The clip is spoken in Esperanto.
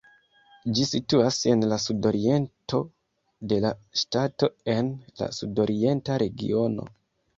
Ĝi situas en la sudoriento de la ŝtato en la Sudorienta regiono.